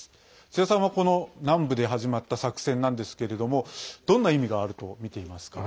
津屋さんは、この南部で始まった作戦なんですけれどもどんな意味があるとみていますか。